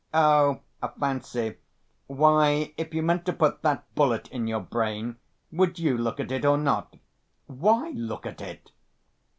"Oh, a fancy. Why, if you meant to put that bullet in your brain, would you look at it or not?" "Why look at it?"